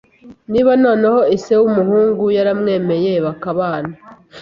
niba noneho ise w’umuhungu yaramwemeye bakabana,